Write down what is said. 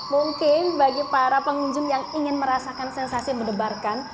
mungkin bagi para pengunjung yang ingin merasakan sensasi mendebarkan